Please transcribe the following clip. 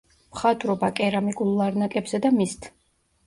მხატვრობა კერამიკულ ლარნაკებზე და მისთ.